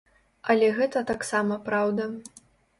Але гэта таксама праўда.